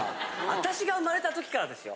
あたしが生まれた時からですよ。